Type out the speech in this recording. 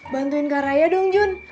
bantuin kak raya dong jun